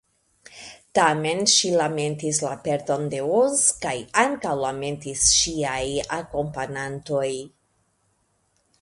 Tamen ŝi lamentis la perdon de Oz, kaj ankaŭ lamentis ŝiaj akompanantoj.